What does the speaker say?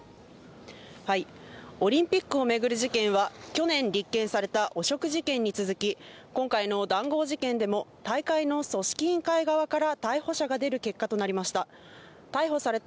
オリンピックを巡る事件は去年、立件された汚職事件に続き、今回の談合事件でも大会の組織委員会側から逮捕者が出る結果となりました。